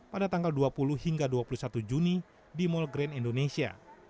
pada tanggal dua puluh hingga dua puluh satu juni di mall grand indonesia